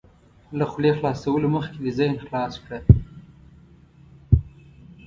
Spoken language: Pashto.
له خولې خلاصولو مخکې دې ذهن خلاص کړه.